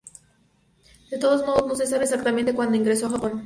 De todos modos no se sabe exactamente cuándo ingresó a Japón.